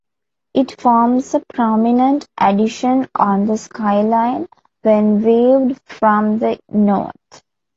It forms a prominent addition on the skyline when viewed from the north.